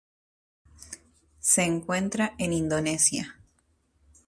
Se encuentra en Indonesia.